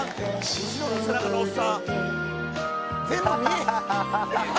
後ろの背中のおっさん。